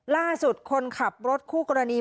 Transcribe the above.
ล่าสุดคนขับรถคู่กรณี